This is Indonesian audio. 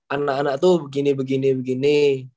anak anak itu begini begini begini